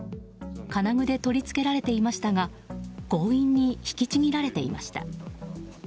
金具で取り付けられていましたが強引に引きちぎられていました。